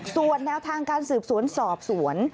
ส่วนแนวทางการสืบสวนสอบสวน